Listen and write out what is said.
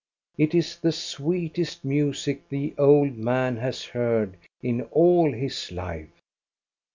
It is the sweetest music the old man has heard in all his life.